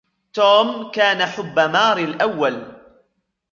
توم كان حُبُّ ماري الأوّل.